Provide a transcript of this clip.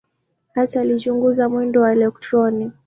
Hasa alichunguza mwendo wa elektroni.